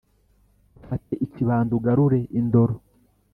ufate ikibando ugarure indoro